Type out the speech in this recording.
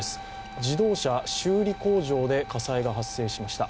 自動車修理工場で火災が発生しました。